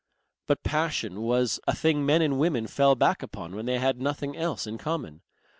But passion was a thing men and women fell back upon when they had nothing else in common.